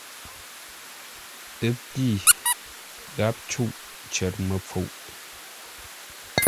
Ə́ pî, gháp cûʼ cər məpfuʼ.